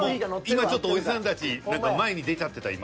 今ちょっとおじさんたち何か前に出ちゃってた今。